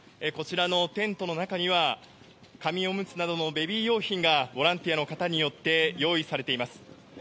こちらのテントの中には紙おむつなどのベビー用品がボランティアの方によって用意されています。